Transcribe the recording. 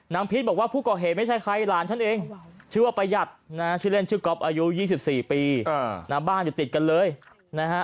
พีชบอกว่าผู้ก่อเหตุไม่ใช่ใครหลานฉันเองชื่อว่าประหยัดนะชื่อเล่นชื่อก๊อฟอายุ๒๔ปีบ้านอยู่ติดกันเลยนะฮะ